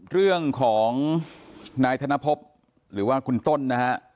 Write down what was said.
ร่วงของนายธนพพหรือว่าคุณต้นนะครับ